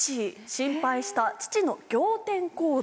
心配した父の仰天行動！」。